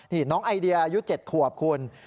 นี่น้องไอเดียอายุ๗ขวบคุณ